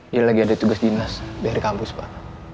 dia lagi ada tugas dinas dari kampus pak